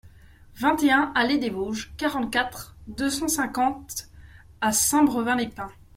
vingt et un allée des Vosges, quarante-quatre, deux cent cinquante à Saint-Brevin-les-Pins